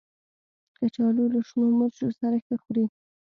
کچالو له شنو مرچو سره ښه خوري